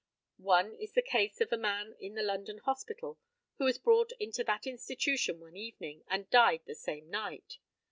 One is the case of a man in the London Hospital, who was brought into that institution one evening, and died the same night.